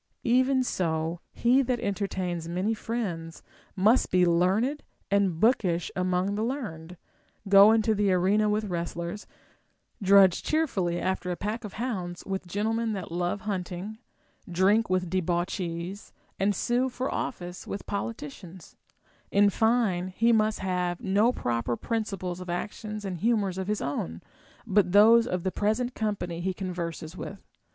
Even so, he that entertains many friends must be learned and bookish among the learned, go into the arena with Λvrestlers, drudge cheerfully after a pack of hounds with gentlemen that love hunting, drink Avith de bauchees, and sue for office with politicians ; in fine, he must have no proper principles of actions and humors of * Theognis, vs. 215. 474 OF THE FOLLY OF SEEKING MAN Γ FRIENDS. his own, but those of the present company he converses with.